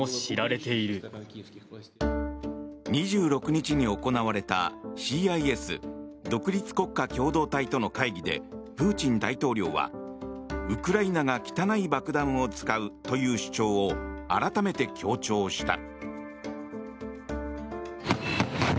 ２６日に行われたＣＩＳ・独立国家共同体との会議で、プーチン大統領はウクライナが汚い爆弾を使うという主張を改めて強調した。